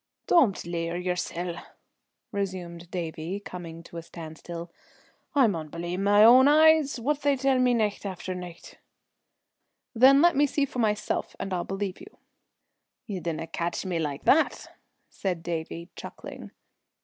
"Dom'd leear yersel!" resumed Davie, coming to a standstill. "I maun believe my own eyes, what they tell me nicht after nicht." "Then let me see for myself, and I'll believe you." "Ye dinna catch me like that," said Davie, chuckling.